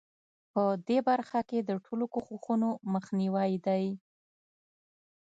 په دې برخه کې د ټولو کوښښونو مخنیوی دی.